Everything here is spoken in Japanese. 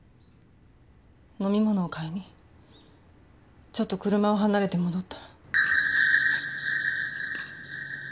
飲み物を買いにちょっと車を離れて戻ったら。